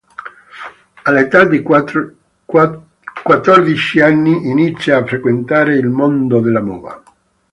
All'età di quattordici anni inizia a frequentare il mondo della moda.